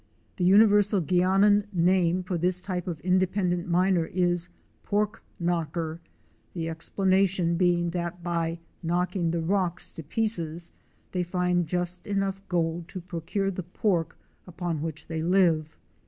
The universal Guianan name for this type of independent miner is " pork knocker," the explanation being that by knocking the rocks to pieces, they find just enough gold to procure the pork upon which they live.